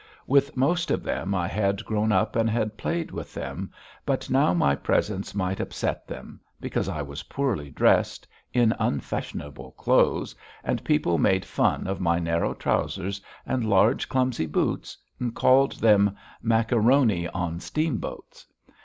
With most of them I had grown up and had played with them, but now my presence might upset them, because I was poorly dressed, in unfashionable clothes, and people made fun of my very narrow trousers and large, clumsy boots, and called them macaroni on steamboats.